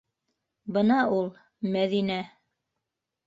Бына ул. Мәҙинә.